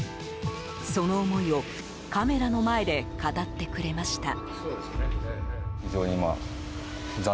その思いをカメラの前で語ってくれました。